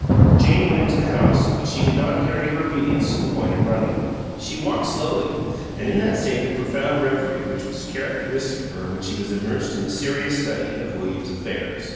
Jane went into the house, but she did not carry her obedience to the point of running. She walked slowly, and in that state of profound reverie which was characteristic of her when she was immersed in the serious study of William's affairs.